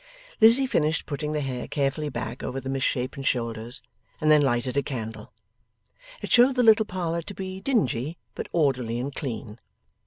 Lizzie finished putting the hair carefully back over the misshapen shoulders, and then lighted a candle. It showed the little parlour to be dingy, but orderly and clean.